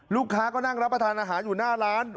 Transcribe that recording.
ลูกค้าก็นั่งรับประทานอาหารอยู่หน้าร้าน